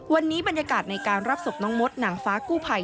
วันนี้บรรยากาศในการรับศพน้องมดหนังฟ้ากู้ภัย